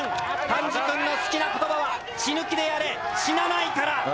丹治くんの好きな言葉は「死ぬ気でやれ死なないから」。